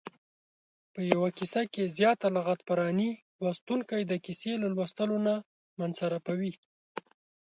په یوه کیسه کې زیاته لغت پراني لوستونکی د کیسې له لوستلو نه منصرفوي.